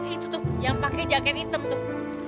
itu tuh yang pakai jaket hitam tuh